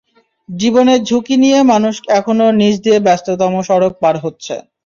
জীবনের ঝুঁকি নিয়ে মানুষ এখনো নিচ দিয়ে ব্যস্ততম সড়ক পার হচ্ছে।